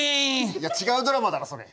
いや違うドラマだろそれ。